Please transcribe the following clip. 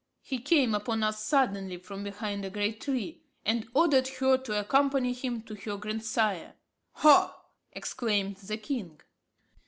He came upon us suddenly from behind a great tree, and ordered her to accompany him to her grandsire." "Ha!" exclaimed the king.